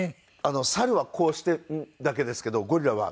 猿はこうして「んっ」だけですけどゴリラは。